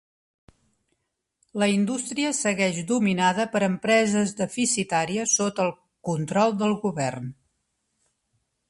La indústria segueix dominada per empreses deficitàries sota el control del govern.